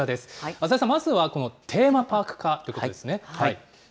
浅井さん、まずはテーマパーク化ということですね。